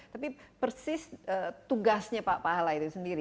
tapi persis tugasnya pak pahala itu sendiri